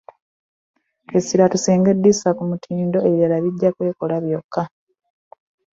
Essira tusinge kulissa ku mutindo ebirala bijja kwekola byokka.